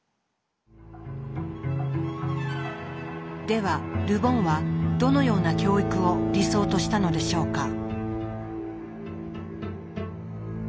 ではル・ボンはどのような教育を理想としたのでしょうか？